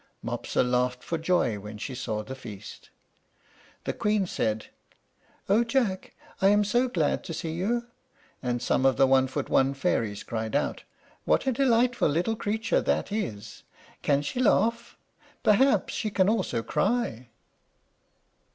Mopsa laughed for joy when she saw the feast. The Queen said, "O Jack, I am so glad to see you!" and some of the one foot one fairies cried out, "What a delightful little creature that is! She can laugh! Perhaps she can also cry!"